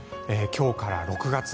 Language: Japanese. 今日から６月。